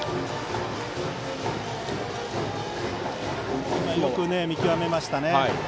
今よく見極めましたね。